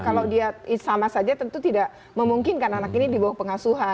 kalau dia sama saja tentu tidak memungkinkan anak ini di bawah pengasuhan